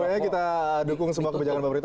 pokoknya kita dukung semua kebijakan pak berita